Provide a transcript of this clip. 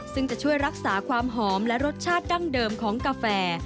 ซึ่งจะช่วยรักษาความหอมและรสชาติดั้งเดิมของกาแฟ